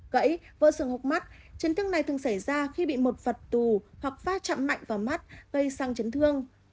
gãy vỡ sườn hốc mắt chấn thương này thường xảy ra khi bị một vật tù hoặc phá chạm mạnh vào mắt gây sang chấn thương